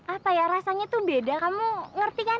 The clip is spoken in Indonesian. apa ya rasanya tuh beda kamu ngerti kan